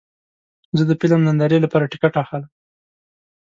زه د فلم نندارې لپاره ټکټ اخلم.